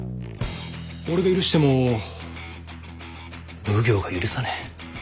俺が許しても奉行が許さねえ。